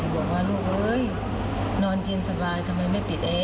บอกว่าลูกใจน่ะยนอนเย็นสาวายทำไมไม่ปิดแอะ